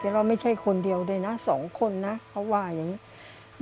แต่ว่าไม่ใช่คนเดียวด้วยนะสองคนนะเขาว่าอย่างนี้